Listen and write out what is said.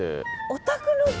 お宅の父